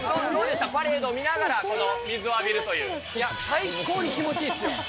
パレードを見ながら水を浴び最高に気持ちいいっすよ。